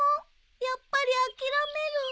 やっぱり諦める。